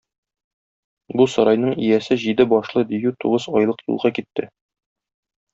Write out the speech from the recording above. Бу сарайның иясе җиде башлы дию тугыз айлык юлга китте.